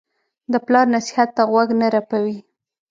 د پلار نصیحت ته غوږ نه رپوي.